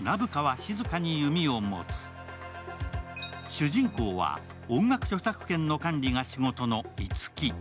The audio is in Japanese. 主人公は、音楽著作権の管理が仕事の樹。